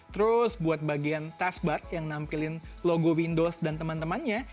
terus buat bagian taskbar yang nampilin logo windows dan teman temannya